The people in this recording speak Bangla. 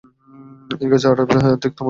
এই গাছের আঠা তিক্তমধুর।